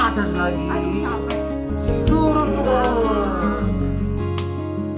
atas lagi turun ke bawah